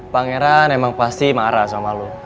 pangeran emang pasti marah sama lo